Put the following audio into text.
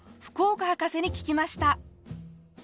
福岡博士に聞きました。